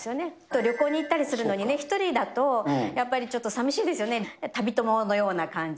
旅行に行ったりするのにね、１人だとやっぱりちょっとさみしいですよね。